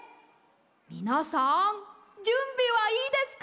みなさんじゅんびはいいですか？